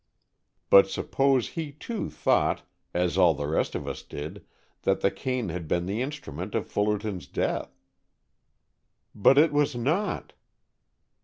"But suppose he, too, thought, as all the rest of us did, that the cane had been the instrument of Fullerton's death?" "But it was not!"